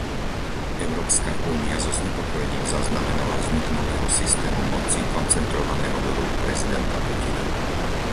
Európska únia so znepokojením zaznamenala vznik nového systému moci koncentrovaného do rúk prezidenta Putina.